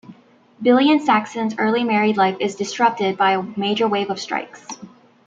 Billy and Saxon's early married life is disrupted by a major wave of strikes.